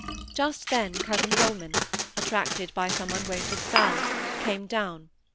Just then cousin Holman, attracted by some unwonted sound, came down.